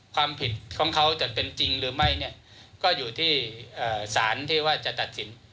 ความผิดของเขาจะเป็นจริงหรือไม่เนี่ยก็อยู่ที่สารที่ว่าจะตัดสิน